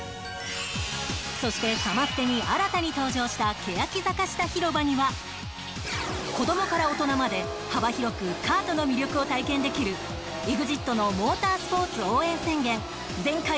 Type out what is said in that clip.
そして、サマステに新たに誕生したけやき坂下ひろばでは子どもから大人まで幅広くカートの魅力を体験できるＥＸＩＴのモータースポーツ応援宣言全開！！